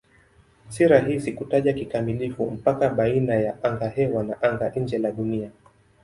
Si rahisi kutaja kikamilifu mpaka baina ya angahewa na anga-nje la Dunia.